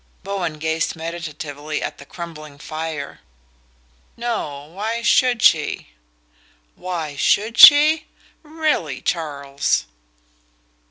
Bowen gazed meditatively at the crumbling fire. "No why should she?" "Why SHOULD she? Really, Charles